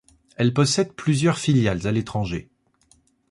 Elle possède plusieurs filiales à l’étranger.